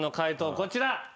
こちら。